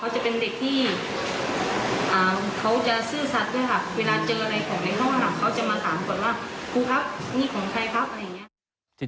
เวลาเจออะไรของในห้องหลังเขาจะมาถามก่อนว่าครูครับนี่ของใครครับ